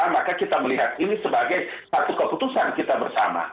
maka kita melihat ini sebagai satu keputusan kita bersama